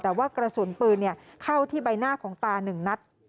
แต่ว่ากระสุนปืนเนี่ยเข้าที่ใบหน้าของตาหนึ่งนัด